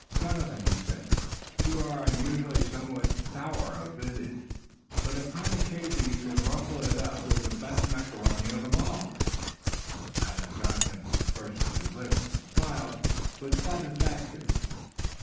"Jonathan," he said, "you are usually somewhat sour of visage, but upon occasion you can ruffle it with the best macaroni of them all." Master Jonathan pursed his lips, and smiled with satisfaction.